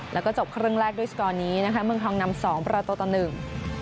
แล้วก็จบครึ่งแรกด้วยสกอร์นี้นะคะเมืองทองนำสองประตูต่อหนึ่ง